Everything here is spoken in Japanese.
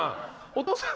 お父さん。